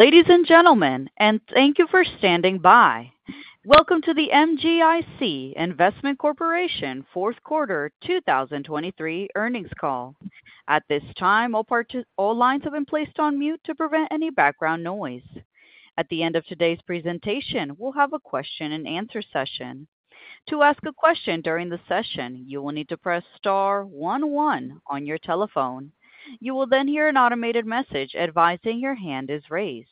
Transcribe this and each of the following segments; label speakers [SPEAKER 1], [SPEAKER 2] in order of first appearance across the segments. [SPEAKER 1] Ladies and gentlemen and thank you for standing by. Welcome to the MGIC Investment Corporation fourth quarter 2023 earnings call. At this time, all lines have been placed on mute to prevent any background noise. At the end of today's presentation, we'll have a question-and-answer session. To ask a question during the session, you will need to press star one one on your telephone. You will then hear an automated message advising your hand is raised.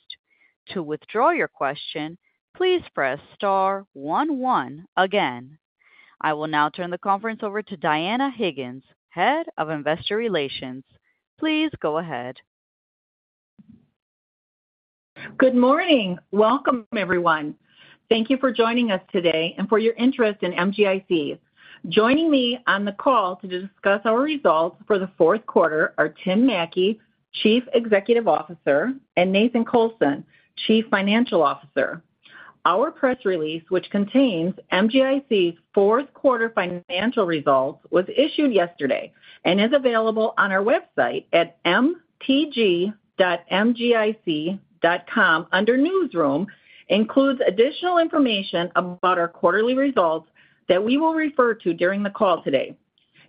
[SPEAKER 1] To withdraw your question, please press star one one again. I will now turn the conference over to Dianna Higgins, Head of Investor Relations. Please go ahead.
[SPEAKER 2] Good morning. Welcome, everyone. Thank you for joining us today and for your interest in MGIC. Joining me on the call to discuss our results for the fourth quarter are Tim Mattke, Chief Executive Officer, and Nathan Colson, Chief Financial Officer. Our press release, which contains MGIC's fourth quarter financial results, was issued yesterday and is available on our website at mtg.mgic.com under Newsroom. It includes additional information about our quarterly results that we will refer to during the call today.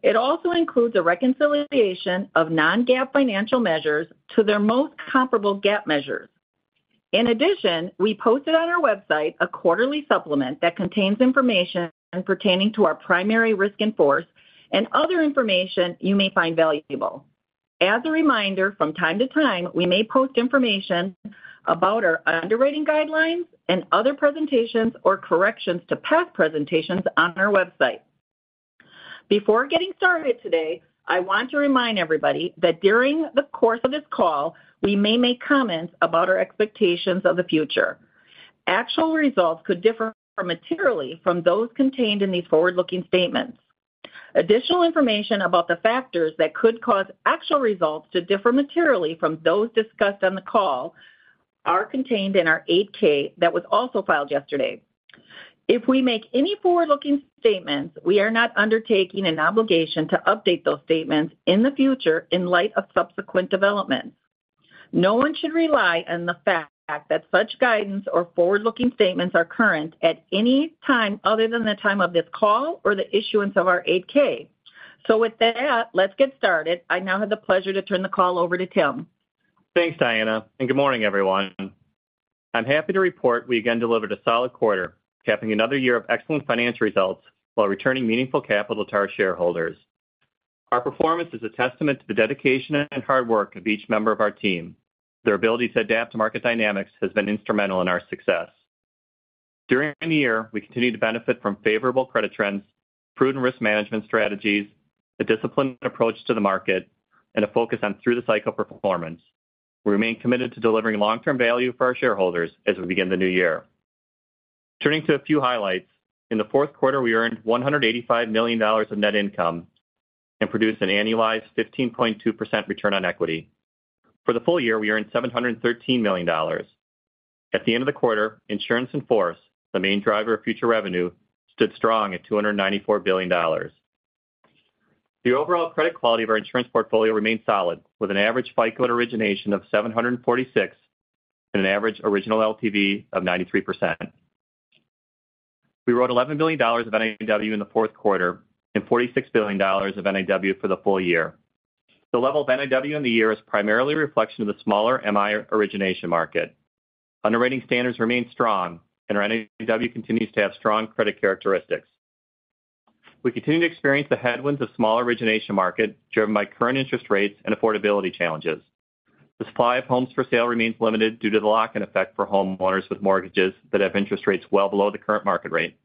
[SPEAKER 2] It also includes a reconciliation of non-GAAP financial measures to their most comparable GAAP measures. In addition, we posted on our website a quarterly supplement that contains information pertaining to our primary risk in force and other information you may find valuable. As a reminder, from time to time, we may post information about our underwriting guidelines and other presentations or corrections to past presentations on our website. Before getting started today, I want to remind everybody that during the course of this call, we may make comments about our expectations of the future. Actual results could differ materially from those contained in these forward-looking statements. Additional information about the factors that could cause actual results to differ materially from those discussed on the call are contained in our 8-K that was also filed yesterday. If we make any forward-looking statements, we are not undertaking an obligation to update those statements in the future in light of subsequent developments. No one should rely on the fact that such guidance or forward-looking statements are current at any time other than the time of this call or the issuance of our 8-K. So with that, let's get started. I now have the pleasure to turn the call over to Tim.
[SPEAKER 3] Thanks, Dianna, and good morning, everyone. I'm happy to report we again delivered a solid quarter, capping another year of excellent financial results while returning meaningful capital to our shareholders. Our performance is a testament to the dedication and hard work of each member of our team. Their ability to adapt to market dynamics has been instrumental in our success. During the year, we continued to benefit from favorable credit trends, prudent risk management strategies, a disciplined approach to the market, and a focus on through-the-cycle performance. We remain committed to delivering long-term value for our shareholders as we begin the new year. Turning to a few highlights, in the fourth quarter, we earned $185 million of net income and produced an annualized 15.2% return on equity. For the full year, we earned $713 million. At the end of the quarter, insurance in force, the main driver of future revenue, stood strong at $294 billion. The overall credit quality of our insurance portfolio remains solid, with an average FICO at origination of 746 and an average original LTV of 93%. We wrote $11 billion of NIW in the fourth quarter and $46 billion of NIW for the full year. The level of NIW in the year is primarily a reflection of the smaller MI origination market. Underwriting standards remain strong, and our NIW continues to have strong credit characteristics. We continue to experience the headwinds of smaller origination market, driven by current interest rates and affordability challenges. The supply of homes for sale remains limited due to the lock-in effect for homeowners with mortgages that have interest rates well below the current market rate.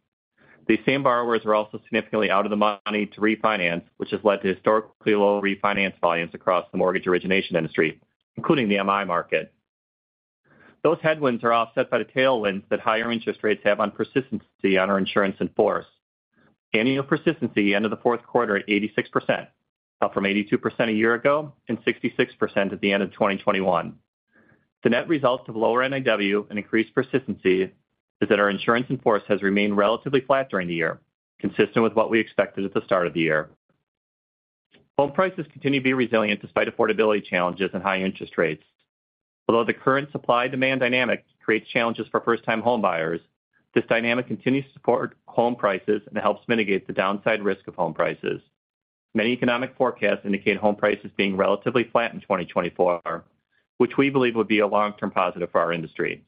[SPEAKER 3] These same borrowers are also significantly out of the money to refinance, which has led to historically low refinance volumes across the mortgage origination industry, including the MI market. Those headwinds are offset by the tailwinds that higher interest rates have on persistency on our insurance in force. Annual persistency ended the fourth quarter at 86%, up from 82% a year ago and 66% at the end of 2021. The net results of lower NIW and increased persistency is that our insurance in force has remained relatively flat during the year, consistent with what we expected at the start of the year. Home prices continue to be resilient despite affordability challenges and high interest rates. Although the current supply-demand dynamic creates challenges for first-time homebuyers, this dynamic continues to support home prices and helps mitigate the downside risk of home prices. Many economic forecasts indicate home prices being relatively flat in 2024, which we believe would be a long-term positive for our industry.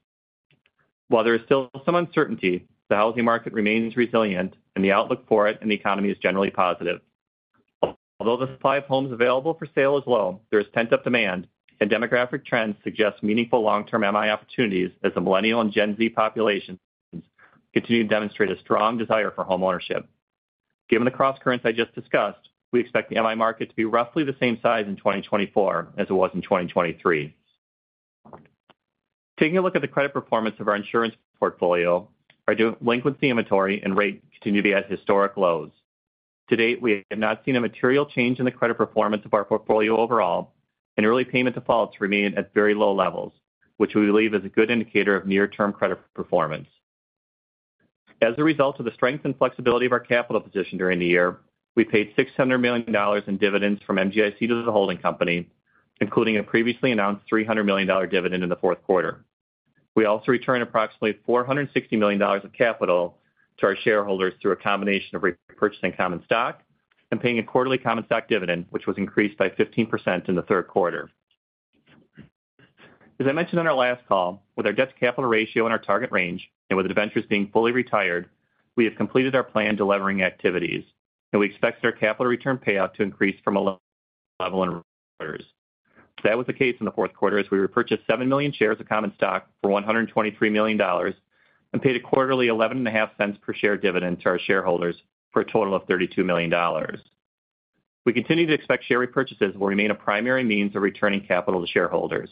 [SPEAKER 3] While there is still some uncertainty, the housing market remains resilient, and the outlook for it and the economy is generally positive. Although the supply of homes available for sale is low, there is pent-up demand, and demographic trends suggest meaningful long-term MI opportunities as the Millennial and Gen Z populations continue to demonstrate a strong desire for homeownership. Given the crosscurrents I just discussed, we expect the MI market to be roughly the same size in 2024 as it was in 2023. Taking a look at the credit performance of our insurance portfolio, our delinquency inventory and rate continue to be at historic lows. To date, we have not seen a material change in the credit performance of our portfolio overall, and early payment defaults remain at very low levels, which we believe is a good indicator of near-term credit performance. As a result of the strength and flexibility of our capital position during the year, we paid $600 million in dividends from MGIC to the holding company, including a previously announced $300 million dividend in the fourth quarter. We also returned approximately $460 million of capital to our shareholders through a combination of repurchasing common stock and paying a quarterly common stock dividend, which was increased by 15% in the third quarter. As I mentioned on our last call, with our debt-to-capital ratio in our target range and with debentures being fully retired, we have completed our planned delevering activities, and we expect our capital return payout to increase from a low level in quarters. That was the case in the fourth quarter, as we repurchased 7 million shares of common stock for $123 million and paid a quarterly $0.115 per share dividend to our shareholders for a total of $32 million. We continue to expect share repurchases will remain a primary means of returning capital to shareholders.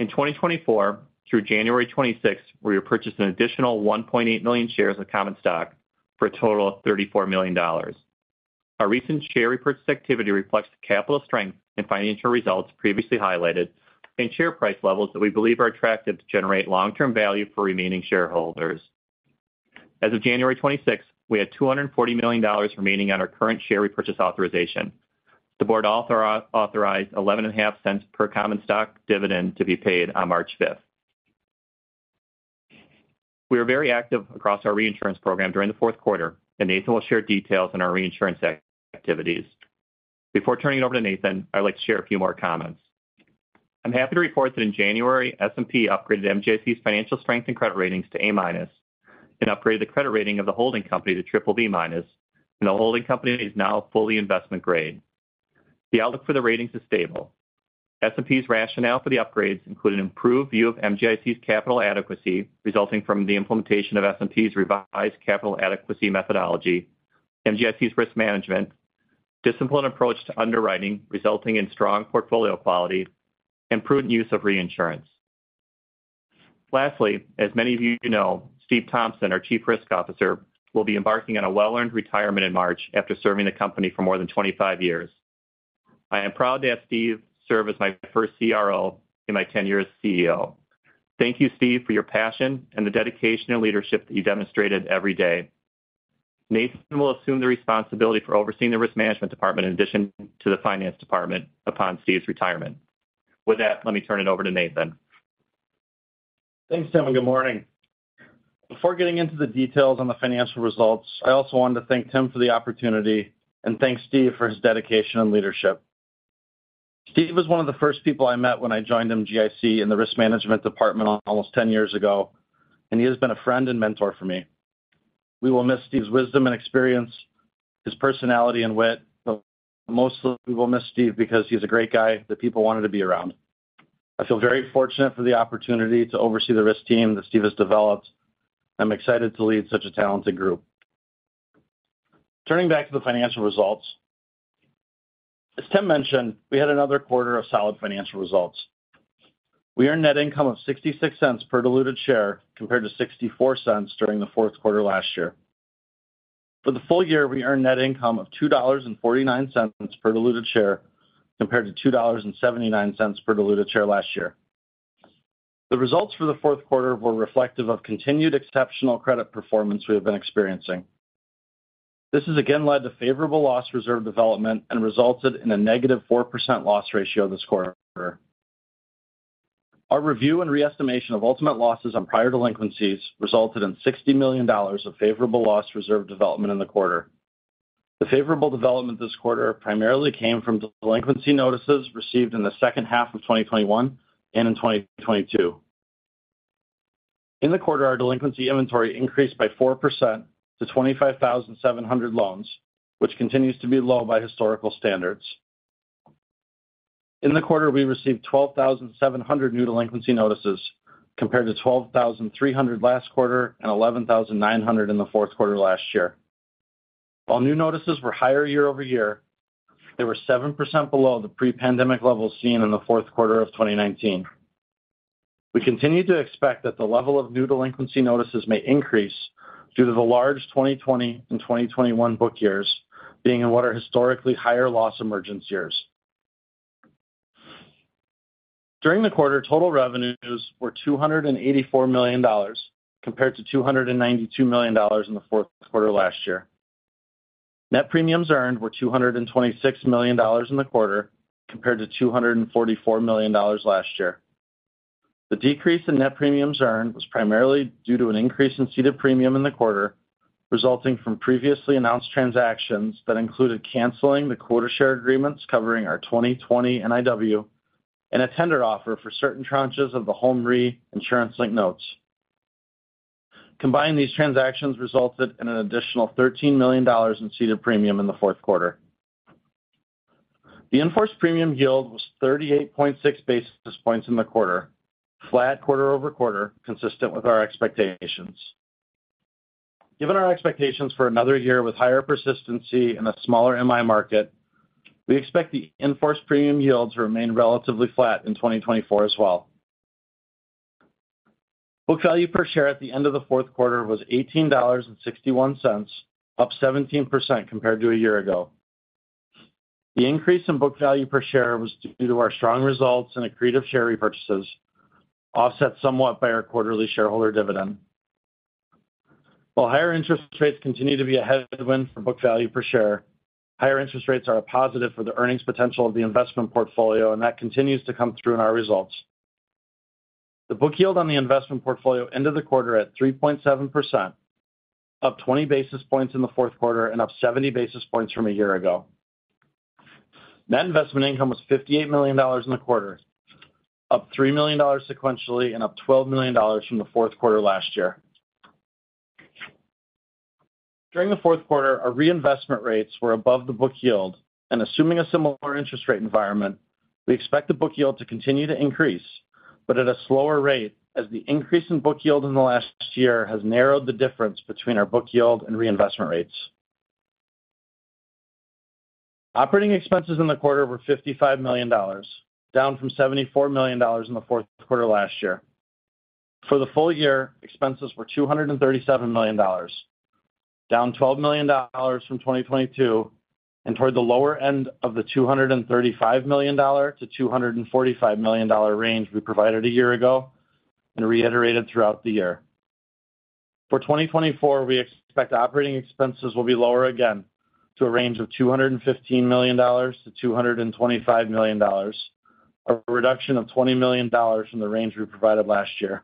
[SPEAKER 3] In 2024, through January 26th, we repurchased an additional 1.8 million shares of common stock for a total of $34 million. Our recent share repurchase activity reflects the capital strength and financial results previously highlighted and share price levels that we believe are attractive to generate long-term value for remaining shareholders. As of January 26th, we had $240 million remaining on our current share repurchase authorization. The board authorized $0.115 per common stock dividend to be paid on March 5th. We were very active across our reinsurance program during the fourth quarter, and Nathan will share details on our reinsurance activities. Before turning it over to Nathan, I'd like to share a few more comments. I'm happy to report that in January, S&P upgraded MGIC's financial strength and credit ratings to A- and upgraded the credit rating of the holding company to BBB-, and the holding company is now fully investment grade. The outlook for the ratings is stable. S&P's rationale for the upgrades include an improved view of MGIC's capital adequacy, resulting from the implementation of S&P's revised capital adequacy methodology, MGIC's risk management, disciplined approach to underwriting, resulting in strong portfolio quality, and prudent use of reinsurance. Lastly, as many of you know, Steve Thompson, our Chief Risk Officer, will be embarking on a well-earned retirement in March after serving the company for more than 25 years. I am proud to have Steve serve as my first CRO in my tenure as CEO. Thank you, Steve, for your passion and the dedication and leadership that you demonstrated every day. Nathan will assume the responsibility for overseeing the risk management department in addition to the finance department upon Steve's retirement. With that, let me turn it over to Nathan.
[SPEAKER 4] Thanks, Tim, and good morning. Before getting into the details on the financial results, I also wanted to thank Tim for the opportunity and thank Steve for his dedication and leadership. Steve was one of the first people I met when I joined MGIC in the Risk Management Department almost 10 years ago, and he has been a friend and mentor for me. We will miss Steve's wisdom and experience, his personality and wit, but mostly, we will miss Steve because he's a great guy that people wanted to be around. I feel very fortunate for the opportunity to oversee the risk team that Steve has developed. I'm excited to lead such a talented group. Turning back to the financial results, as Tim mentioned, we had another quarter of solid financial results. We earned net income of $0.66 per diluted share, compared to $0.64 during the fourth quarter last year. For the full year, we earned net income of $2.49 per diluted share, compared to $2.79 per diluted share last year. The results for the fourth quarter were reflective of continued exceptional credit performance we have been experiencing. This has again led to favorable loss reserve development and resulted in a -4% loss ratio this quarter. Our review and reestimation of ultimate losses on prior delinquencies resulted in $60 million of favorable loss reserve development in the quarter. The favorable development this quarter primarily came from delinquency notices received in the second half of 2021 and in 2022. In the quarter, our delinquency inventory increased by 4% to 25,700 loans, which continues to be low by historical standards. In the quarter, we received 12,700 new delinquency notices, compared to 12,300 last quarter and 11,900 in the fourth quarter last year. While new notices were higher year-over-year, they were 7% below the pre-pandemic levels seen in the fourth quarter of 2019. We continue to expect that the level of new delinquency notices may increase due to the large 2020 and 2021 book years being in what are historically higher loss emergence years. During the quarter, total revenues were $284 million, compared to $292 million in the fourth quarter last year. Net premiums earned were $226 million in the quarter, compared to $244 million last year. The decrease in net premiums earned was primarily due to an increase in ceded premium in the quarter, resulting from previously announced transactions that included canceling the quota share agreements covering our 2020 NIW and a tender offer for certain tranches of the Home Re insurance-linked notes. Combined, these transactions resulted in an additional $13 million in ceded premium in the fourth quarter. The in-force premium yield was 38.6 basis points in the quarter, flat quarter-over-quarter, consistent with our expectations. Given our expectations for another year with higher persistency in a smaller MI market, we expect the in-force premium yield to remain relatively flat in 2024 as well. Book value per share at the end of the fourth quarter was $18.61, up 17% compared to a year ago. The increase in book value per share was due to our strong results and accretive share repurchases, offset somewhat by our quarterly shareholder dividend. While higher interest rates continue to be a headwind for book value per share, higher interest rates are a positive for the earnings potential of the investment portfolio, and that continues to come through in our results. The book yield on the investment portfolio ended the quarter at 3.7%, up 20 basis points in the fourth quarter and up 70 basis points from a year ago. Net investment income was $58 million in the quarter, up $3 million sequentially and up $12 million from the fourth quarter last year. During the fourth quarter, our reinvestment rates were above the book yield, and assuming a similar interest rate environment, we expect the book yield to continue to increase, but at a slower rate, as the increase in book yield in the last year has narrowed the difference between our book yield and reinvestment rates. Operating expenses in the quarter were $55 million, down from $74 million in the fourth quarter last year. For the full year, expenses were $237 million, down $12 million from 2022, and toward the lower end of the $235 million-$245 million range we provided a year ago and reiterated throughout the year. For 2024, we expect operating expenses will be lower again to a range of $215 million-$225 million, a reduction of $20 million from the range we provided last year.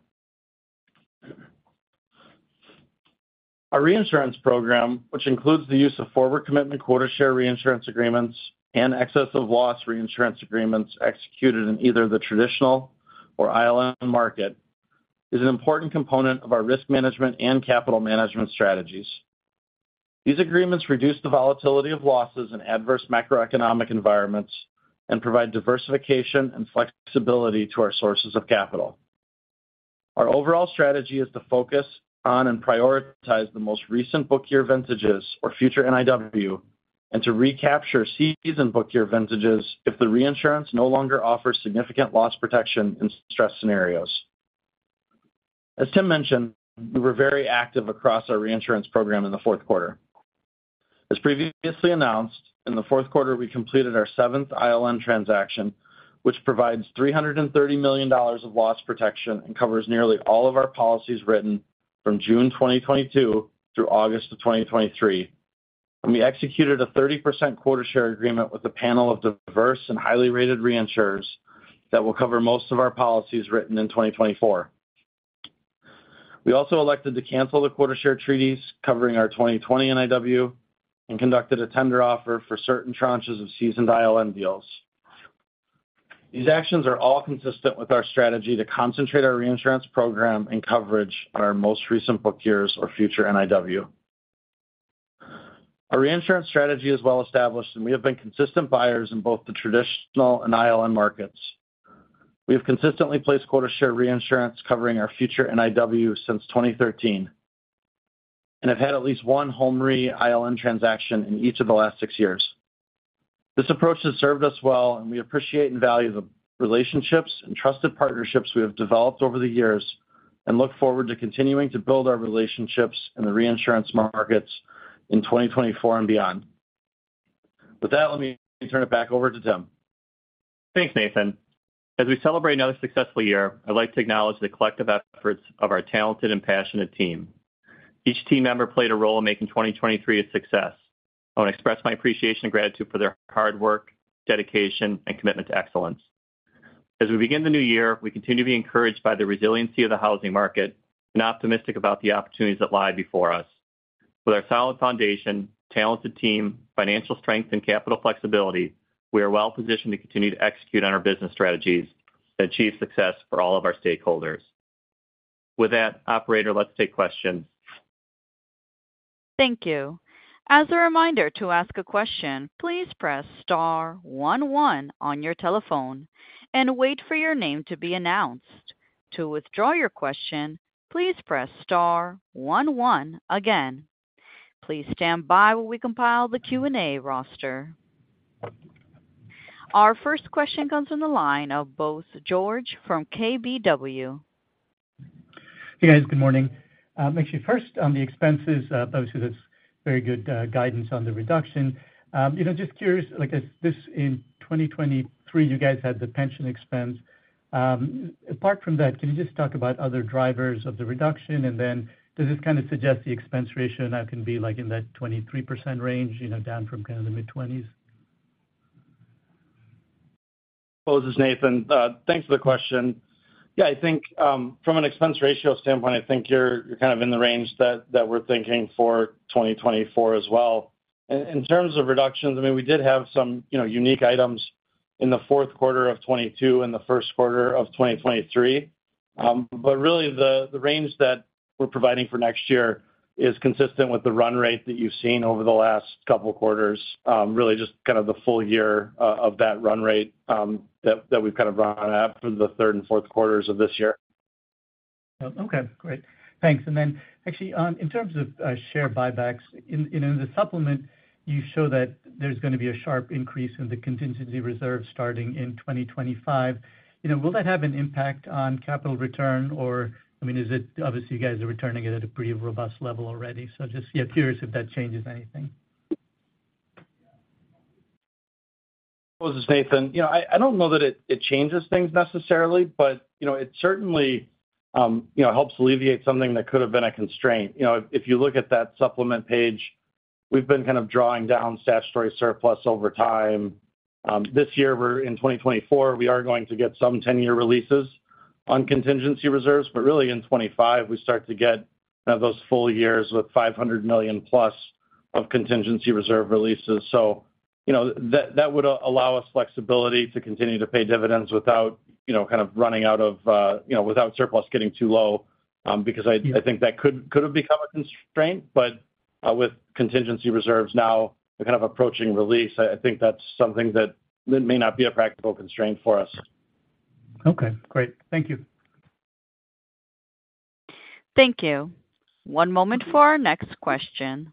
[SPEAKER 4] Our reinsurance program, which includes the use of forward commitment quota share reinsurance agreements and excess of loss reinsurance agreements executed in either the traditional or ILN market, is an important component of our risk management and capital management strategies. These agreements reduce the volatility of losses in adverse macroeconomic environments and provide diversification and flexibility to our sources of capital. Our overall strategy is to focus on and prioritize the most recent book year vintages or future NIW, and to recapture seasoned book year vintages if the reinsurance no longer offers significant loss protection in stress scenarios. As Tim mentioned, we were very active across our reinsurance program in the fourth quarter. As previously announced, in the fourth quarter, we completed our seventh ILN transaction, which provides $330 million of loss protection and covers nearly all of our policies written from June 2022 through August of 2023. We executed a 30% quota share agreement with a panel of diverse and highly rated reinsurers that will cover most of our policies written in 2024. We also elected to cancel the quota share treaties covering our 2020 NIW and conducted a tender offer for certain tranches of seasoned ILN deals. These actions are all consistent with our strategy to concentrate our reinsurance program and coverage on our most recent book years or future NIW. Our reinsurance strategy is well established, and we have been consistent buyers in both the traditional and ILN markets. We have consistently placed quota share reinsurance covering our future NIW since 2013, and have had at least one Home Re ILN transaction in each of the last six years. This approach has served us well, and we appreciate and value the relationships and trusted partnerships we have developed over the years and look forward to continuing to build our relationships in the reinsurance markets in 2024 and beyond. With that, let me turn it back over to Tim.
[SPEAKER 3] Thanks, Nathan. As we celebrate another successful year, I'd like to acknowledge the collective efforts of our talented and passionate team. Each team member played a role in making 2023 a success. I want to express my appreciation and gratitude for their hard work, dedication, and commitment to excellence. As we begin the new year, we continue to be encouraged by the resiliency of the housing market and optimistic about the opportunities that lie before us. With our solid foundation, talented team, financial strength, and capital flexibility, we are well positioned to continue to execute on our business strategies to achieve success for all of our stakeholders. With that, operator, let's take questions.
[SPEAKER 1] Thank you. As a reminder, to ask a question, please press star one one on your telephone and wait for your name to be announced. To withdraw your question, please press star one one again. Please stand by while we compile the Q&A roster. Our first question comes on the line of Bose George from KBW.
[SPEAKER 5] Hey, guys. Good morning. Actually, first, on the expenses, obviously, that's very good guidance on the reduction. You know, just curious, like, as this in 2023, you guys had the pension expense. Apart from that, can you just talk about other drivers of the reduction? And then does this kind of suggest the expense ratio now can be like in that 23% range, you know, down from kind of the mid-20s?
[SPEAKER 4] Bose, this is Nathan. Thanks for the question. Yeah, I think from an expense ratio standpoint, I think you're, you're kind of in the range that, that we're thinking for 2024 as well. In terms of reductions, I mean, we did have some, you know, unique items in the fourth quarter of 2022 and the first quarter of 2023. But really, the range that we're providing for next year is consistent with the run rate that you've seen over the last couple of quarters, really just kind of the full year of that run rate that, that we've kind of run at for the third and fourth quarters of this year.
[SPEAKER 5] Okay, great. Thanks. And then actually, in terms of share buybacks, you know, in the supplement, you show that there's going to be a sharp increase in the contingency reserve starting in 2025. You know, will that have an impact on capital return? Or, I mean, is it, obviously, you guys are returning it at a pretty robust level already. So just, yeah, curious if that changes anything.
[SPEAKER 4] Well, this is Nathan. You know, I don't know that it changes things necessarily, but, you know, it certainly, you know, helps alleviate something that could have been a constraint. You know, if you look at that supplement page, we've been kind of drawing down statutory surplus over time. This year, we're in 2024, we are going to get some 10-year releases on contingency reserves. But really, in 2025, we start to get kind of those full years with $500 million+ of contingency reserve releases. So, you know, that would allow us flexibility to continue to pay dividends without, you know, kind of running out of, you know, without surplus getting too low. Because I think that could have become a constraint, but with contingency reserves now kind of approaching release, I think that's something that may not be a practical constraint for us.
[SPEAKER 5] Okay, great. Thank you.
[SPEAKER 1] Thank you. One moment for our next question.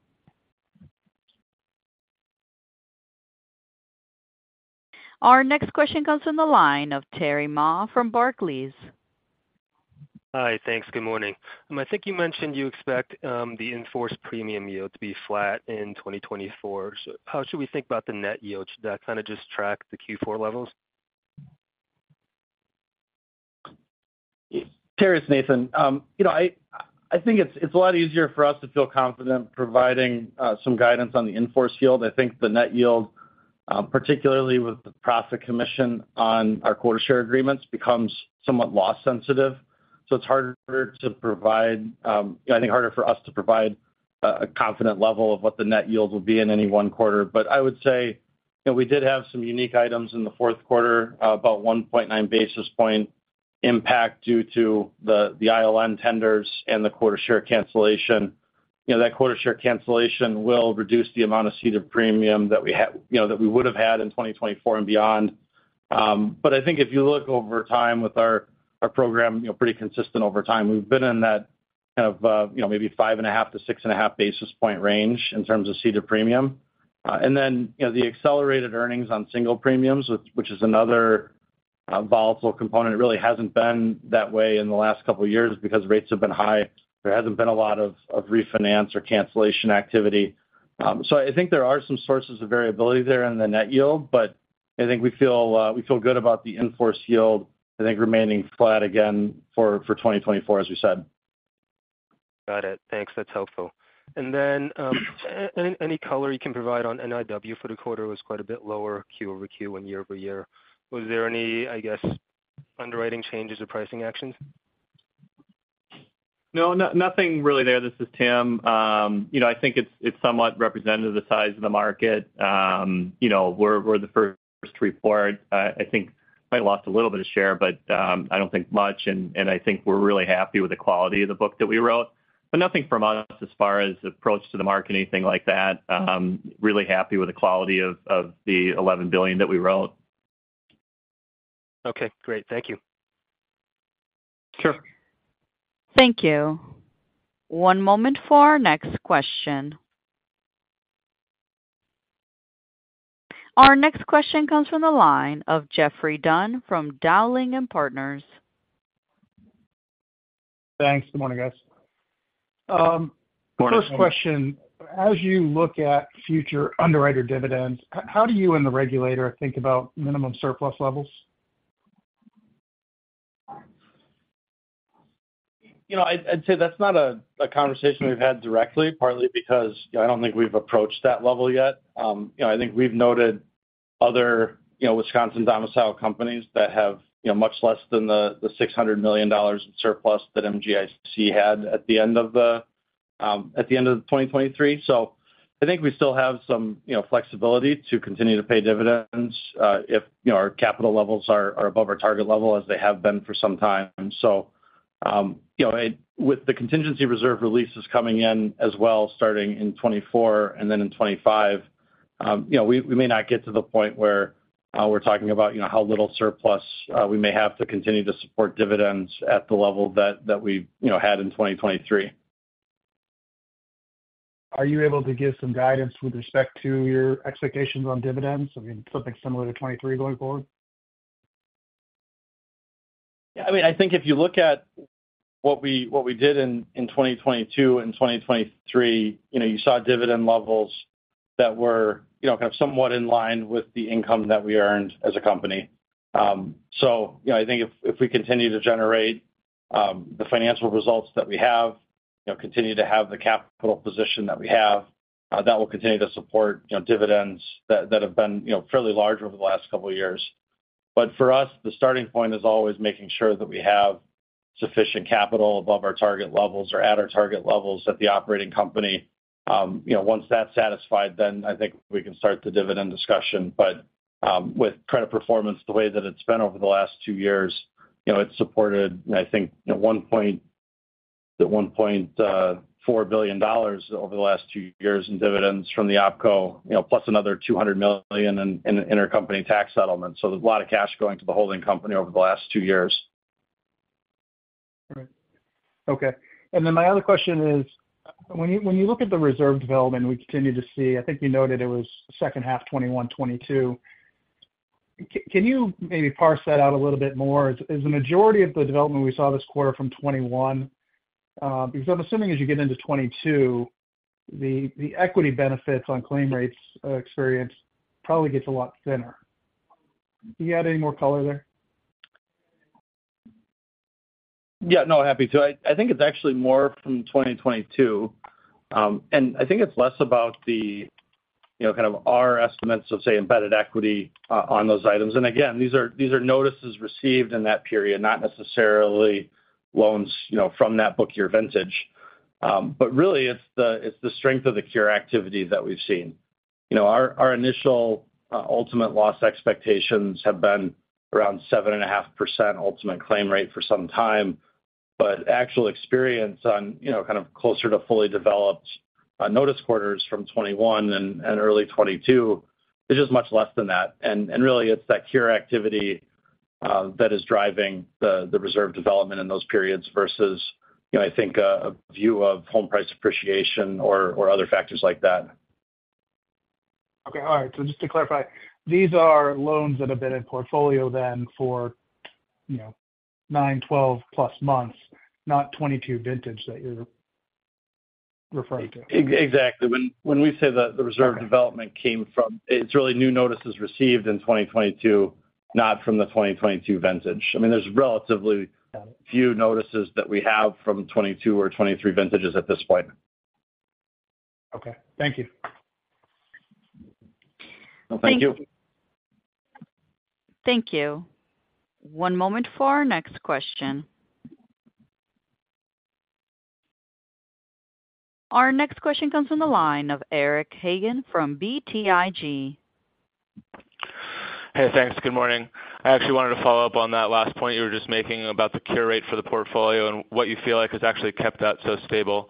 [SPEAKER 1] Our next question comes from the line of Terry Ma from Barclays.
[SPEAKER 6] Hi, thanks. Good morning. I think you mentioned you expect the in-force premium yield to be flat in 2024. So how should we think about the net yield? Should that kind of just track the Q4 levels?
[SPEAKER 4] Terry, it's Nathan. You know, I think it's a lot easier for us to feel confident providing some guidance on the in-force yield. I think the net yield, particularly with the profit commission on our quota share agreements, becomes somewhat loss sensitive, so it's harder to provide, I think, harder for us to provide a confident level of what the net yield will be in any one quarter. But I would say, you know, we did have some unique items in the fourth quarter, about 1.9 basis points impact due to the ILN tenders and the quota share cancellation. You know, that quota share cancellation will reduce the amount of ceded premium that we have, you know, that we would have had in 2024 and beyond. But I think if you look over time with our program, you know, pretty consistent over time, we've been in that kind of, you know, maybe 5.5-6.5 basis point range in terms of ceded premium. And then, you know, the accelerated earnings on single premiums, which is another volatile component, it really hasn't been that way in the last couple of years because rates have been high. There hasn't been a lot of refinance or cancellation activity. So I think there are some sources of variability there in the net yield, but I think we feel good about the in-force yield, I think, remaining flat again for 2024, as we said.
[SPEAKER 6] Got it. Thanks. That's helpful. And then, any, any color you can provide on NIW for the quarter was quite a bit lower quarter-over-quarter and year-over-year. Was there any, I guess, underwriting changes or pricing actions?
[SPEAKER 3] No, nothing really there. This is Tim. You know, I think it's somewhat representative of the size of the market. You know, we're the first to report. I think might have lost a little bit of share, but I don't think much, and I think we're really happy with the quality of the book that we wrote. But nothing from us as far as approach to the market, anything like that. Really happy with the quality of the $11 billion that we wrote.
[SPEAKER 6] Okay, great. Thank you.
[SPEAKER 3] Sure.
[SPEAKER 1] Thank you. One moment for our next question. Our next question comes from the line of Geoffrey Dunn from Dowling & Partners.
[SPEAKER 7] Thanks. Good morning, guys.
[SPEAKER 4] Good morning.
[SPEAKER 7] First question: As you look at future underwriter dividends, how do you and the regulator think about minimum surplus levels?
[SPEAKER 4] You know, I'd say that's not a conversation we've had directly, partly because I don't think we've approached that level yet. You know, I think we've noted other, you know, Wisconsin domicile companies that have, you know, much less than the $600 million in surplus that MGIC had at the end of 2023. So I think we still have some, you know, flexibility to continue to pay dividends, if, you know, our capital levels are above our target level, as they have been for some time. So, you know, with the Contingency Reserve releases coming in as well, starting in 2024 and then in 2025, you know, we, we may not get to the point where we're talking about, you know, how little surplus, we may have to continue to support dividends at the level that, that we, you know, had in 2023.
[SPEAKER 7] Are you able to give some guidance with respect to your expectations on dividends? I mean, something similar to 2023 going forward.
[SPEAKER 4] Yeah, I mean, I think if you look at what we did in 2022 and 2023, you know, you saw dividend levels that were, you know, kind of somewhat in line with the income that we earned as a company. So you know, I think if we continue to generate the financial results that we have, you know, continue to have the capital position that we have, that will continue to support, you know, dividends that have been, you know, fairly large over the last couple of years. But for us, the starting point is always making sure that we have sufficient capital above our target levels or at our target levels at the operating company. You know, once that's satisfied, then I think we can start the dividend discussion. But, with credit performance, the way that it's been over the last two years, you know, it's supported, I think, you know, at one point, $4 billion over the last two years in dividends from the OpCo, you know, plus another $200 million in intercompany tax settlements. So there's a lot of cash going to the holding company over the last two years.
[SPEAKER 7] Right. Okay, and then my other question is: When you, when you look at the reserve development, we continue to see... I think you noted it was second half 2021, 2022. Can you maybe parse that out a little bit more? Is, is the majority of the development we saw this quarter from 2021 because I'm assuming as you get into 2022, the, the equity benefits on claim rates, experience probably gets a lot thinner. Can you add any more color there?
[SPEAKER 4] Yeah, no, happy to. I think it's actually more from 2022. And I think it's less about the, you know, kind of our estimates of, say, embedded equity on those items. And again, these are notices received in that period, not necessarily loans, you know, from that book year vintage. But really, it's the strength of the cure activity that we've seen. You know, our initial ultimate loss expectations have been around 7.5% ultimate claim rate for some time. But actual experience on, you know, kind of closer to fully developed notice quarters from 2021 and early 2022 is just much less than that. Really, it's that cure activity that is driving the reserve development in those periods versus, you know, I think, a view of home price appreciation or other factors like that.
[SPEAKER 7] Okay, all right. So just to clarify, these are loans that have been in portfolio then for, you know, 9, 12+ months, not 2022 vintage that you're referring to?
[SPEAKER 4] Exactly. When we say that the reserve-
[SPEAKER 7] Okay
[SPEAKER 4] -development came from, it's really new notices received in 2022, not from the 2022 vintage. I mean, there's relatively-
[SPEAKER 7] Got it
[SPEAKER 4] Few notices that we have from 2022 or 2023 vintages at this point.
[SPEAKER 7] Okay, thank you.
[SPEAKER 4] Thank you.
[SPEAKER 1] Thank you. One moment for our next question. Our next question comes from the line of Eric Hagen from BTIG.
[SPEAKER 8] Hey, thanks. Good morning. I actually wanted to follow up on that last point you were just making about the cure rate for the portfolio and what you feel like has actually kept that so stable.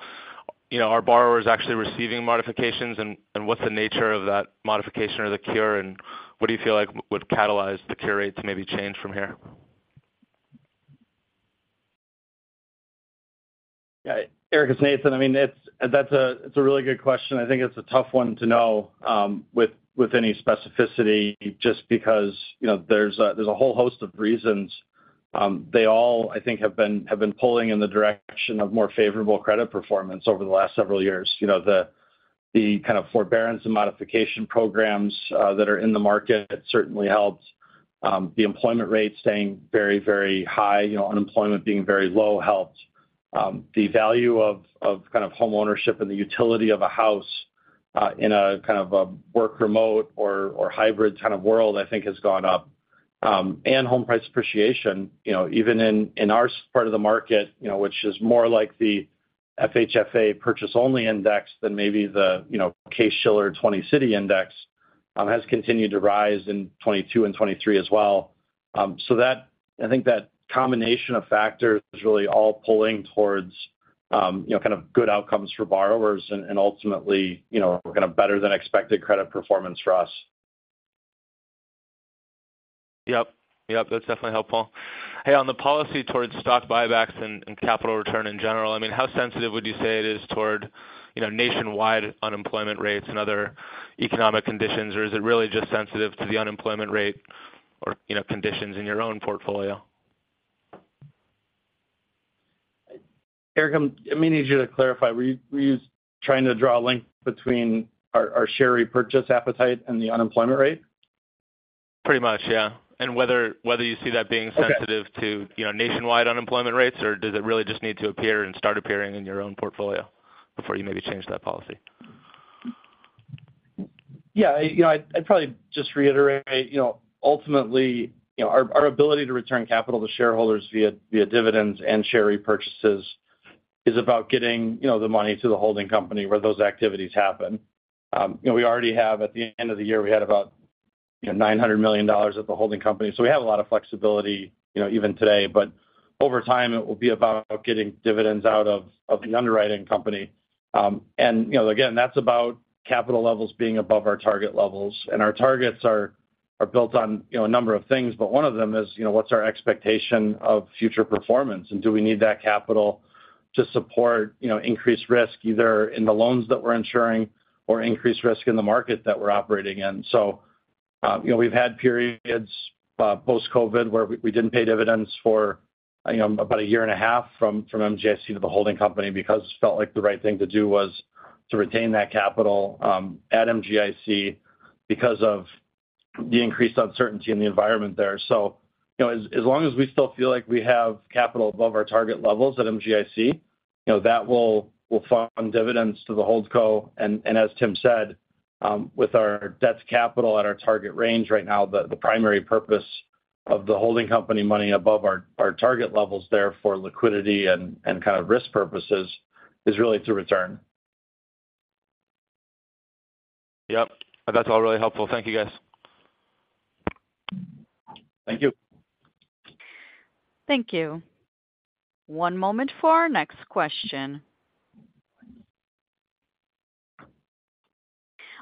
[SPEAKER 8] You know, are borrowers actually receiving modifications, and what's the nature of that modification or the cure? And what do you feel like would catalyze the cure rate to maybe change from here?
[SPEAKER 4] Yeah, Eric, it's Nathan. I mean, it's—that's a—it's a really good question. I think it's a tough one to know, with, with any specificity just because, you know, there's a, there's a whole host of reasons. They all, I think, have been, have been pulling in the direction of more favorable credit performance over the last several years. You know, the, the kind of forbearance and modification programs, that are in the market certainly helped. The employment rate staying very, very high, you know, unemployment being very low helped. The value of, of kind of homeownership and the utility of a house, in a kind of a work remote or, or hybrid kind of world, I think has gone up. And home price appreciation, you know, even in, in our part of the market, you know, which is more like the FHFA purchase-only index than maybe the, you know, Case-Shiller 20-City Index, has continued to rise in 2022 and 2023 as well. So that - I think that combination of factors is really all pulling towards, you know, kind of good outcomes for borrowers and, and ultimately, you know, kind of better than expected credit performance for us.
[SPEAKER 8] Yep. Yep, that's definitely helpful. Hey, on the policy towards stock buybacks and capital return in general, I mean, how sensitive would you say it is toward, you know, nationwide unemployment rates and other economic conditions? Or is it really just sensitive to the unemployment rate or, you know, conditions in your own portfolio?
[SPEAKER 4] Eric, I may need you to clarify. Were you, were you trying to draw a link between our, our share repurchase appetite and the unemployment rate?
[SPEAKER 8] Pretty much, yeah. And whether you see that being-
[SPEAKER 4] Okay...
[SPEAKER 8] sensitive to, you know, nationwide unemployment rates, or does it really just need to appear and start appearing in your own portfolio before you maybe change that policy?
[SPEAKER 4] Yeah, you know, I'd probably just reiterate, you know, ultimately, you know, our ability to return capital to shareholders via dividends and share repurchases is about getting, you know, the money to the holding company where those activities happen. You know, we already have, at the end of the year, we had about $900 million at the holding company, so we have a lot of flexibility, you know, even today. But over time, it will be about getting dividends out of the underwriting company. And, you know, again, that's about capital levels being above our target levels. Our targets are built on, you know, a number of things, but one of them is, you know, what's our expectation of future performance? Do we need that capital to support, you know, increased risk, either in the loans that we're insuring or increased risk in the market that we're operating in? So, you know, we've had periods, post-COVID, where we didn't pay dividends for, you know, about a year and a half from MGIC to the holding company because it felt like the right thing to do was to retain that capital at MGIC because of the increased uncertainty in the environment there. So, you know, as long as we still feel like we have capital above our target levels at MGIC, you know, that will fund dividends to the Holdco. And as Tim said, with our debt to capital at our target range right now, the primary purpose of the holding company money above our target level is there for liquidity and kind of risk purposes is really to return.
[SPEAKER 8] Yep, that's all really helpful. Thank you, guys.
[SPEAKER 4] Thank you.
[SPEAKER 1] Thank you. One moment for our next question.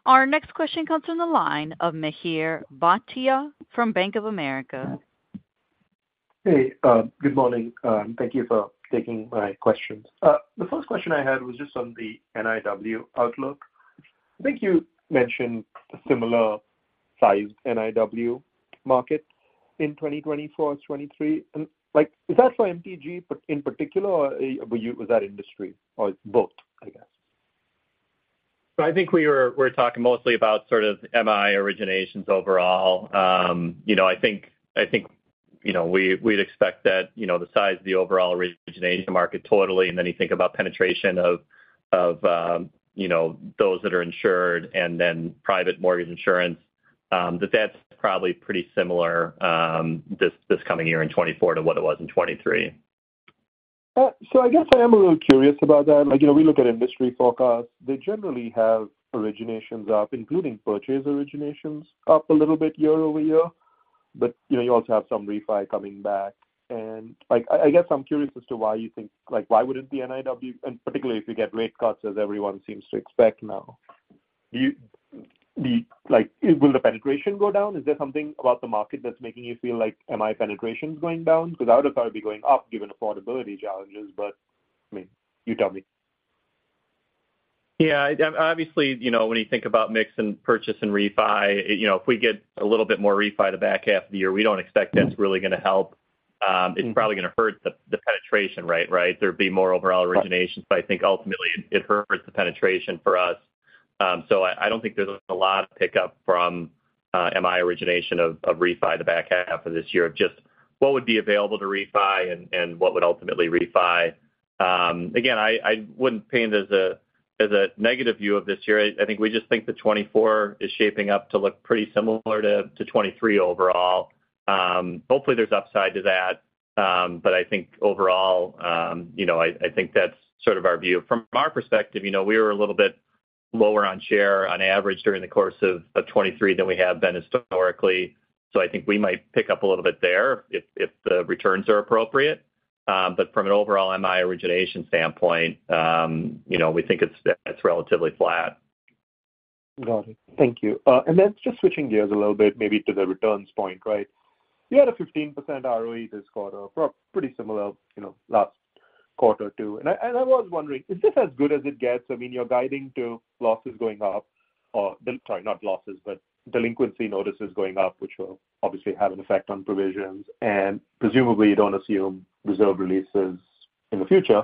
[SPEAKER 1] Our next question comes from the line of Mihir Bhatia from Bank of America.
[SPEAKER 9] Hey, good morning. Thank you for taking my questions. The first question I had was just on the NIW outlook. I think you mentioned a similar size NIW market in 2024 or 2023. And, like, is that for MTG in particular, or, were you, was that industry or both, I guess?
[SPEAKER 3] So I think we're talking mostly about sort of MI originations overall. You know, I think we'd expect that, you know, the size of the overall origination market totally, and then you think about penetration of you know, those that are insured and then private mortgage insurance, that's probably pretty similar, this coming year in 2024 to what it was in 2023.
[SPEAKER 9] So I guess I am a little curious about that. Like, you know, we look at industry forecasts. They generally have originations up, including purchase originations, up a little bit year over year. But, you know, you also have some refi coming back. And, like, I guess I'm curious as to why you think -- like, why would it be NIW, and particularly if you get rate cuts, as everyone seems to expect now. Do you, like, will the penetration go down? Is there something about the market that's making you feel like MI penetration is going down? Because I would have thought it'd be going up given affordability challenges, but, I mean, you tell me.
[SPEAKER 3] Yeah, obviously, you know, when you think about mix and purchase and refi, you know, if we get a little bit more refi the back half of the year, we don't expect that's really gonna help. It's probably gonna hurt the penetration rate, right? There'd be more overall originations, but I think ultimately it hurts the penetration for us. So I don't think there's a lot of pickup from MI origination of refi the back half of this year, of just what would be available to refi and what would ultimately refi. Again, I wouldn't paint it as a negative view of this year. I think we just think that 2024 is shaping up to look pretty similar to 2023 overall. Hopefully, there's upside to that. But I think overall, you know, I think that's sort of our view. From our perspective, you know, we were a little bit lower on share on average during the course of 2023 than we have been historically. So I think we might pick up a little bit there if the returns are appropriate. But from an overall MI origination standpoint, you know, we think it's relatively flat.
[SPEAKER 9] Got it. Thank you. And then just switching gears a little bit, maybe to the returns point, right? You had a 15% ROE this quarter, pretty similar, you know, last quarter, too. And I, and I was wondering, is this as good as it gets? I mean, you're guiding to losses going up or... Sorry, not losses, but delinquency notices going up, which will obviously have an effect on provisions, and presumably, you don't assume reserve releases in the future.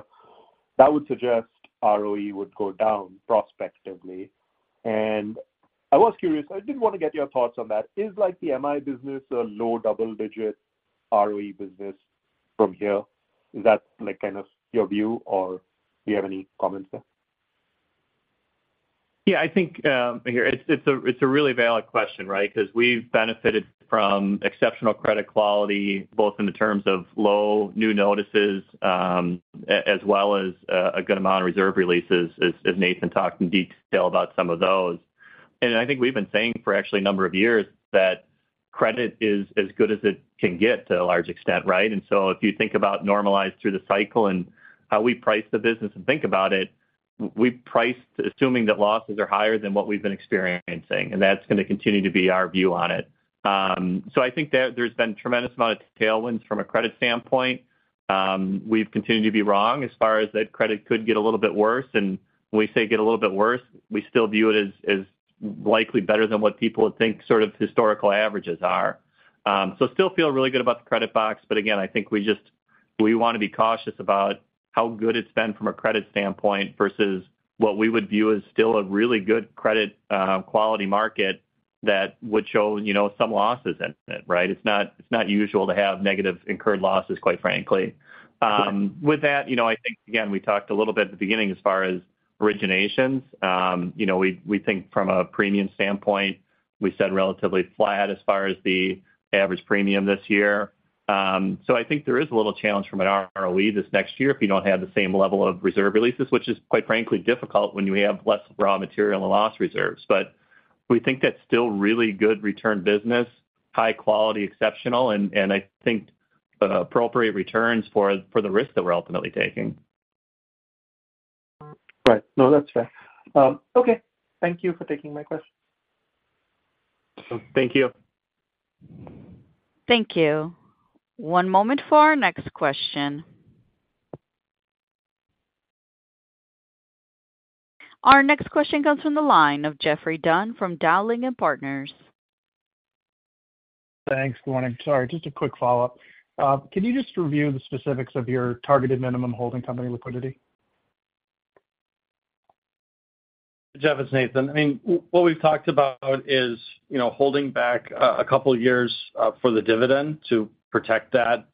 [SPEAKER 9] That would suggest ROE would go down prospectively. And I was curious, I did want to get your thoughts on that. Is like the MI business a low double-digit ROE business from here? Is that, like, kind of your view, or do you have any comments there?
[SPEAKER 3] Yeah, I think it's a really valid question, right? Because we've benefited from exceptional credit quality, both in the terms of low new notices, as well as a good amount of reserve releases, as Nathan talked in detail about some of those. And I think we've been saying for actually a number of years that credit is as good as it can get to a large extent, right? And so if you think about normalized through the cycle and how we price the business and think about it, we've priced assuming that losses are higher than what we've been experiencing, and that's gonna continue to be our view on it. So I think that there's been tremendous amount of tailwinds from a credit standpoint. We've continued to be wrong as far as that credit could get a little bit worse. When we say get a little bit worse, we still view it as, as likely better than what people would think sort of historical averages are. So still feel really good about the credit box, but again, I think we just, we wanna be cautious about how good it's been from a credit standpoint versus what we would view as still a really good credit, quality market that would show, you know, some losses in it, right? It's not, it's not usual to have negative incurred losses, quite frankly. With that, you know, I think, again, we talked a little bit at the beginning as far as originations. You know, we, we think from a premium standpoint, we said relatively flat as far as the average premium this year. So I think there is a little challenge from an ROE this next year if you don't have the same level of reserve releases, which is, quite frankly, difficult when you have less raw material and loss reserves. But we think that's still really good return business, high quality, exceptional, and I think appropriate returns for the risk that we're ultimately taking.
[SPEAKER 9] Right. No, that's fair. Okay. Thank you for taking my questions.
[SPEAKER 3] Thank you.
[SPEAKER 1] Thank you. One moment for our next question. Our next question comes from the line of Geoffrey Dunn from Dowling & Partners.
[SPEAKER 7] Thanks. Good morning. Sorry, just a quick follow-up. Can you just review the specifics of your targeted minimum holding company liquidity?
[SPEAKER 4] Geoff, it's Nathan. I mean, what we've talked about is, you know, holding back a couple of years for the dividend to protect that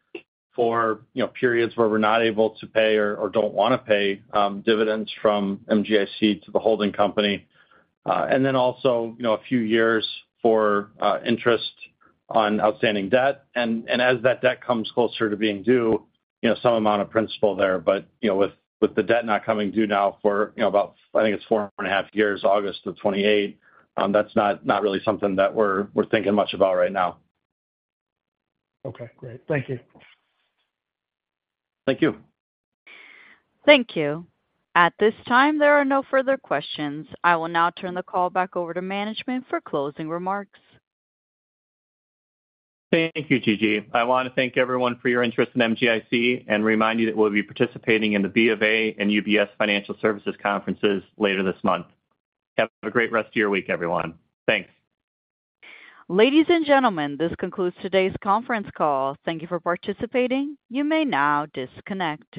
[SPEAKER 4] for, you know, periods where we're not able to pay or don't wanna pay dividends from MGIC to the holding company. And then also, you know, a few years for interest on outstanding debt, and as that debt comes closer to being due, you know, some amount of principal there. But, you know, with the debt not coming due now for, you know, about, I think it's 4.5 years, August 2028, that's not really something that we're thinking much about right now.
[SPEAKER 7] Okay, great. Thank you.
[SPEAKER 4] Thank you.
[SPEAKER 1] Thank you. At this time, there are no further questions. I will now turn the call back over to management for closing remarks.
[SPEAKER 3] Thank you, Gigi. I wanna thank everyone for your interest in MGIC and remind you that we'll be participating in the BofA and UBS Financial Services conferences later this month. Have a great rest of your week, everyone. Thanks.
[SPEAKER 1] Ladies and gentlemen, this concludes today's conference call. Thank you for participating. You may now disconnect.